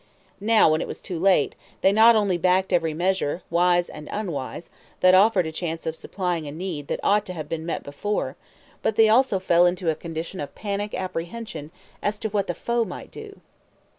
Now, when it was too late, they not only backed every measure, wise and unwise, that offered a chance of supplying a need that ought to have been met before, but they also fell into a condition of panic apprehension as to what the foe might do.